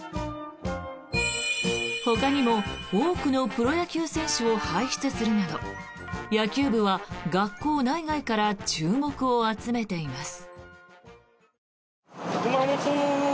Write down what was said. ほかにも、多くのプロ野球選手を輩出するなど野球部は学校内外から注目を集めています。